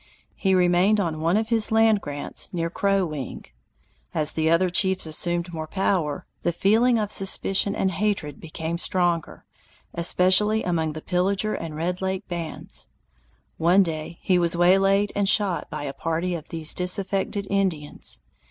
He remained on one of his land grants near Crow Wing. As the other chiefs assumed more power, the old feeling of suspicion and hatred became stronger, especially among the Pillager and Red Lake bands. One day he was waylaid and shot by a party of these disaffected Indians.